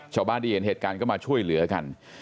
ชาวบ้านที่เห็นเหตุการณ์ก็มาช่วยเหลือกัน